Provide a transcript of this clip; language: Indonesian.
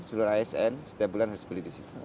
seluruh asn setiap bulan harus beli di situ